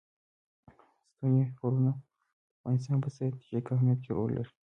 ستوني غرونه د افغانستان په ستراتیژیک اهمیت کې رول لري.